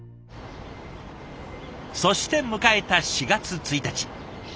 そして迎えた４月１日。